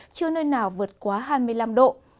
chưa nơi nào vượt quá hai mươi năm độ